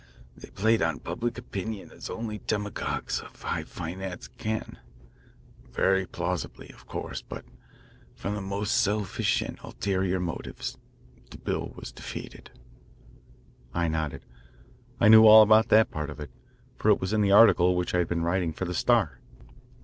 They played on public opinion as only demagogues of high finance can, very plausibly of course, but from the most selfish and ulterior motives. The bill was defeated." I nodded. I knew all about that part of it, for it was in the article which I had been writing for the Star.